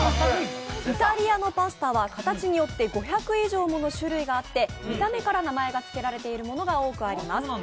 イタリアのパスタは形によって５００種類以上の種類があって見た目から名前が付けられているものが多くあります。